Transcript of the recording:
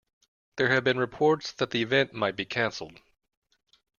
There have been reports the event might be canceled.